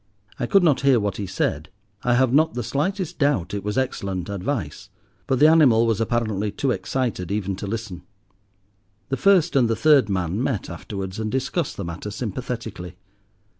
I could not hear what he said. I have not the slightest doubt it was excellent advice, but the animal was apparently too excited even to listen. The first and the third man met afterwards, and discussed the matter sympathetically.